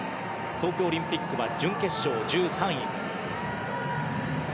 東京オリンピックは準決勝１３位。